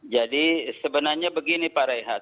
jadi sebenarnya begini pak redhat